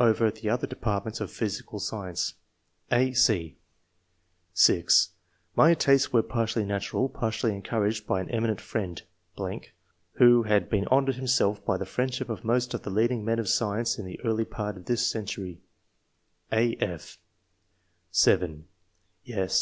over the other departments of physical science/' (a, c) (6) " My tastes were partly natural, partly encouraged by an eminent friend ...., who had been honoured himself by the friendship of most of the leading men of science in the early part of this century/' (a,/) (7) [Yes.